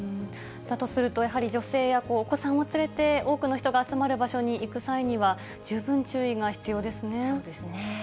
だとすると、やはり女性やお子さんを連れて多くの人が集まる場所に行く際には、そうですね。